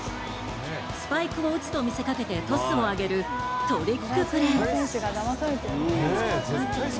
スパイクを打つと見せかけてトスを上げるトリックプレー。